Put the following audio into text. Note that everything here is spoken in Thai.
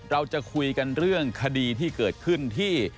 เราจะคุยกันเรื่องคดีที่เกิดขึ้นที่